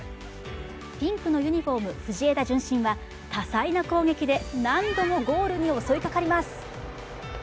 ピンクのユニフォーム、藤枝順心は多彩な攻撃で何度もゴールに襲いかかります。